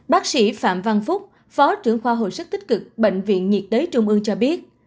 bác sĩ phạm văn phúc phó trưởng khoa hồi sức tích cực bệnh viện nhiệt đới trung ương cho biết